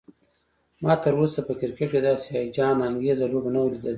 ما تراوسه په کرکټ کې داسې هيجان انګیزه لوبه نه وه لیدلی